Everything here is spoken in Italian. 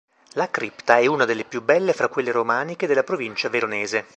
La cripta è una delle più belle fra quelle romaniche della provincia veronese.